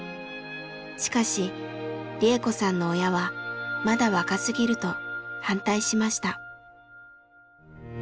しかし利恵子さんの親はまだ若すぎると反対しました。